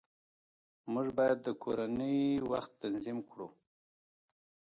موږ باید د کورنۍ وخت تنظیم کړو